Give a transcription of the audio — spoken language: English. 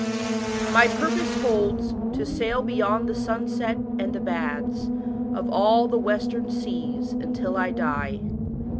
u My purpose holds To sail beyond the sunset and the baths Of all the western seas until I die."